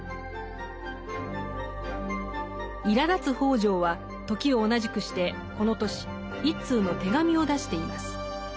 いらだつ北條は時を同じくしてこの年一通の手紙を出しています。